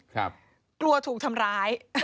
กลัวถูกทำร้าย